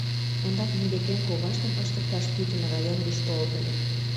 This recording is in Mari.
Ондак мый декем коваштым ыштыкташ пӱтынь район гыч толыт ыле.